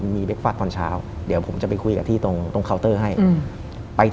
มันยังไง